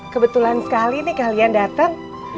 kebetulan sekali nih kalian datang